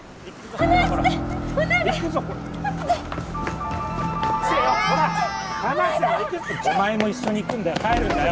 お前も一緒に行くんだよ。